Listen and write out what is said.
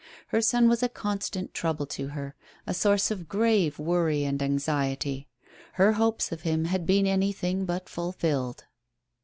Her son was a constant trouble to her; a source of grave worry and anxiety. Her hopes of him had been anything but fulfilled.